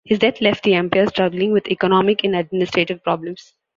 His death left the empire struggling with economic and administrative problems.